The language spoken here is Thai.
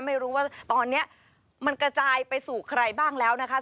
ไม่รู้ว่าตอนนี้มันกระจายไปสู่ใครบ้างแล้วนะคะ